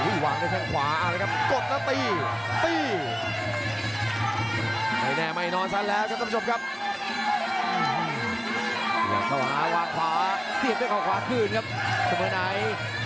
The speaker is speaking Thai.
นักใช้ความดับใช้ไว้